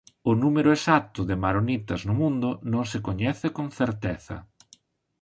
O número exacto de maronitas no mundo non se coñece con certeza.